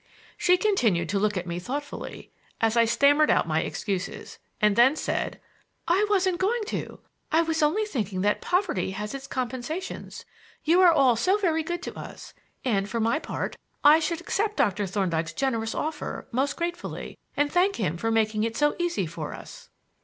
She continued to look at me thoughtfully as I stammered out my excuses, and then said: "I wasn't going to. I was only thinking that poverty has its compensations. You are all so very good to us; and, for my part, I should accept Doctor Thorndyke's generous offer most gratefully, and thank him for making it so easy for us."